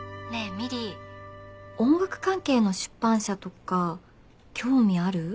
美璃音楽関係の出版社とか興味ある？